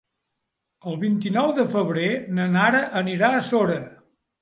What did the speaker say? El vint-i-nou de febrer na Nara anirà a Sora.